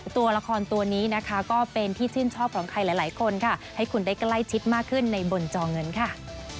ตัวละครตัวนี้นะคะก็เป็นที่ชื่นชอบของใครหลายคนค่ะให้คุณได้ใกล้ชิดมากขึ้นในบนจอเงินค่ะ